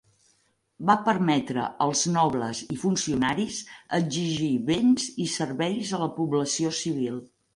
Va permetre als nobles i funcionaris exigir béns i serveis a la població civil.